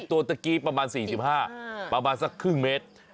ตัวตะกี้ประมาณ๔๕ประมาณสักครึ่งเมตร